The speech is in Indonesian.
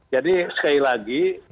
jadi sekali lagi